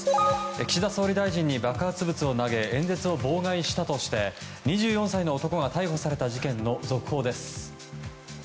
岸田総理大臣に爆発物を投げ演説を妨害したとして２４歳の男が逮捕された事件の続報です。